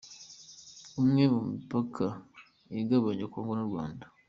Umwe mu mipaka igabanya Congo n’u Rwanda .